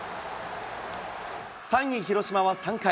３位広島は３回。